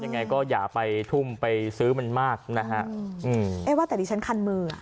ยังไงก็อย่าไปทุ่มไปซื้อมันมากนะฮะอืมเอ๊ะว่าแต่ดิฉันคันมืออ่ะ